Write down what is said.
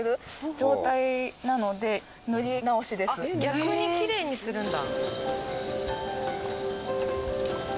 逆にきれいにするんだ。